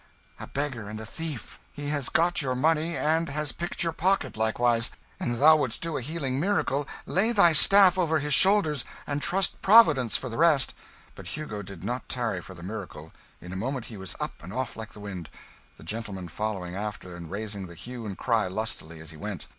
"A beggar and a thief! He has got your money and has picked your pocket likewise. An' thou would'st do a healing miracle, lay thy staff over his shoulders and trust Providence for the rest." But Hugo did not tarry for the miracle. In a moment he was up and off like the wind, the gentleman following after and raising the hue and cry lustily as he went.